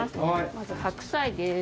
まず白菜です。